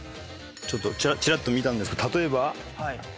ちょっとちらっと見たんですが例えば。